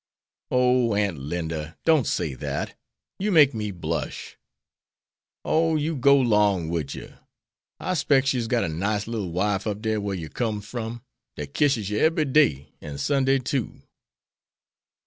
"Oh, Aunt Linda, don't say that. You make me blush." "Oh you go 'long wid yer. I specs yer's got a nice little wife up dar whar yer comes from, dat kisses yer ebery day, an' Sunday, too."